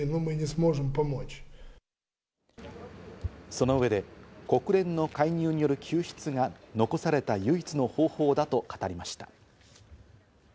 その上で、国連の介入による救出が残された唯一の方法だと語りました。